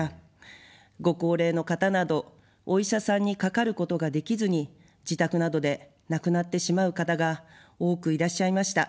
ご高齢の方など、お医者さんにかかることができずに自宅などで亡くなってしまう方が多くいらっしゃいました。